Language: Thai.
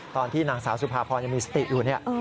ตอนที่นางสาวสุภาพรยังมีสติอยู่เนี่ย